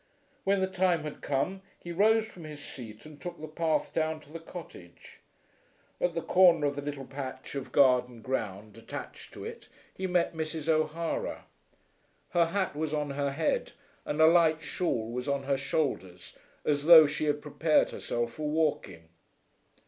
When the time had come he rose from his seat and took the path down to the cottage. At the corner of the little patch of garden ground attached to it he met Mrs. O'Hara. Her hat was on her head, and a light shawl was on her shoulders as though she had prepared herself for walking.